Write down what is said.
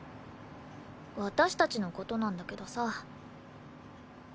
私たちの事なんだけどさ。